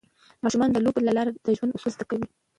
ماشومان د لوبو له لارې د ژوند اصول زده کوي.